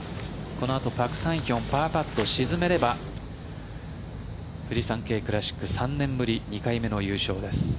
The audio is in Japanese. このあとパク・サンヒョンパーパット沈めればフジサンケイクラシック３年ぶり２回目の優勝です。